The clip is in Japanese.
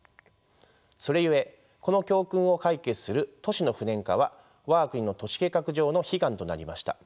それゆえこの教訓を解決する都市の不燃化は我が国の都市計画上の悲願となりました。